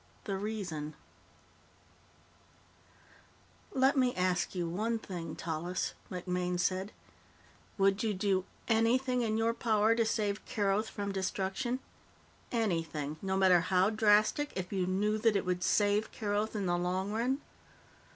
The Reason "Let me ask you one thing, Tallis," MacMaine said. "Would you do anything in your power to save Keroth from destruction? Anything, no matter how drastic, if you knew that it would save Keroth in the long run?"